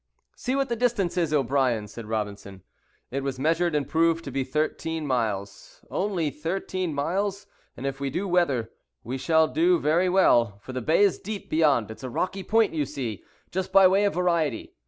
"See what the distance is, O'Brien," said Robinson. It was measured, and proved to be thirteen miles. "Only thirteen miles; and if we do weather, we shall do very well, for the bay is deep beyond. It's a rocky point, you see, just by way of variety.